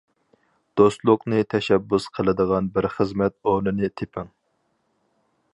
دوستلۇقنى تەشەببۇس قىلىدىغان بىر خىزمەت ئورنىنى تېپىڭ.